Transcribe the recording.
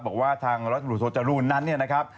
บอกว่าทางรถบุรุธโจรุณนั้นเนี่ยนะครับ